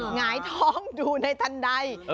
หงายท้องอยู่ในทันใด